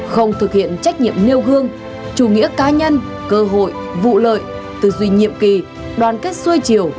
không thực hiện trách nhiệm nêu gương chủ nghĩa cá nhân cơ hội vụ lợi tư duy nhiệm kỳ đoàn kết xuôi chiều